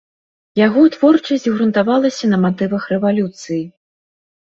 Яго творчасць грунтавалася на матывах рэвалюцыі.